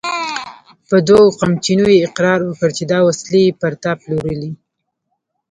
په دوو قمچينو يې اقرار وکړ چې دا وسلې يې پر تا پلورلې!